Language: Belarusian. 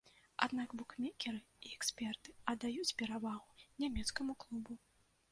Аднак букмекеры і эксперты аддаюць перавагу нямецкаму клубу.